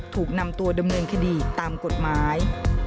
ถูกนำตัวดำเนินคดีตามกฎหมาย